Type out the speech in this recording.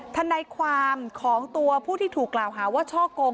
ทนายความของตัวผู้ที่ถูกกล่าวหาว่าช่อกง